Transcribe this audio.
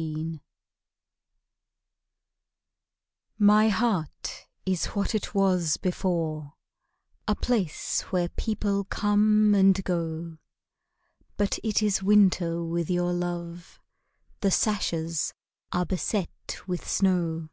ALMS My heart is what it was before, A house where people come and go; But it is winter with your love, The sashes are beset with snow.